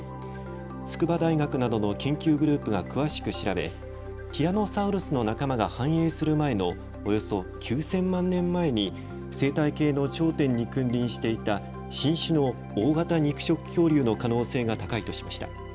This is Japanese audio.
筑波大学などの研究グループが詳しく調べティラノサウルスの仲間が繁栄する前のおよそ９０００万年前に生態系の頂点に君臨していた新種の大型肉食恐竜の可能性が高いとしました。